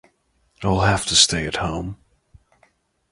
I’ll have to stay at home.